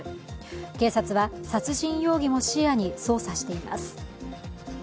警察は殺人容疑も視野に捜査しています。